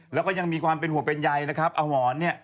แล้วก็ยังมีความเป็นห่วงเป็นใยนะครับเอาหมอนเนี่ย